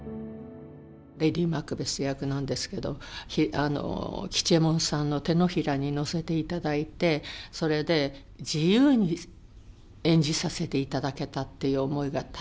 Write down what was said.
レディ・マクベス役なんですけど吉右衛門さんの手のひらに乗せていただいてそれで自由に演じさせていただけたっていう思いが大変ありますね。